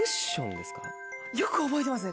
よく覚えてますね